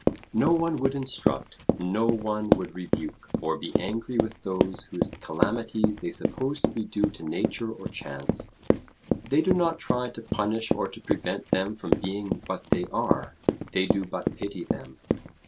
No one would instruct, no one would rebuke, or be angry with those whose calamities they suppose to be due to nature or chance; they do not try to punish or to prevent them from being what they are; they do but pity them.